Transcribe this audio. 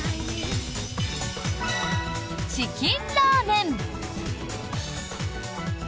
チキンラーメン。